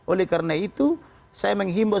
oleh karena itu saya menghimbau